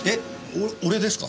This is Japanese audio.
お俺ですか？